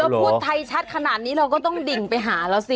ถ้าพูดไทยชัดขนาดนี้เราก็ต้องดิ่งไปหาเราสิ